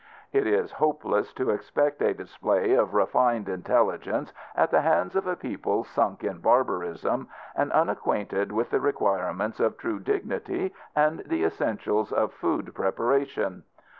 It is hopeless to expect a display of refined intelligence at the hands of a people sunk in barbarism and unacquainted with the requirements of true dignity and the essentials of food preparation.